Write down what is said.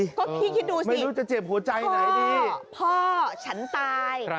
ก็พี่คิดดูสิพ่อพ่อฉันตาย